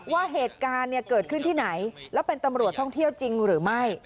ว่าเหตุการณ์เกิดขึ้นที่ไหนแล้วเป็นตำรวจท่องเที่ยวจริงหรือไม่